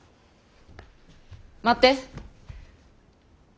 待って。